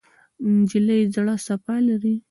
نجلۍ زړه صفا لري.